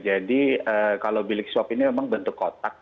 jadi kalau bilik swab ini memang bentuk kotak